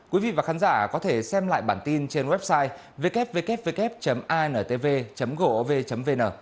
quý vị và khán giả có thể xem lại bản tin trên website www intv gov vn